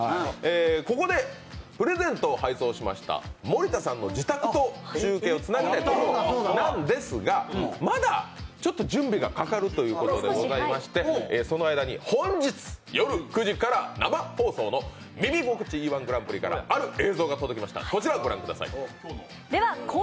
ここで、プレゼントを配送しました森田さんの自宅と中継をつなぎたいところなんですが、まだ準備がかかるということでございまして、その間に本日夜９時から生放送のいくつになっても新しくなれるんだ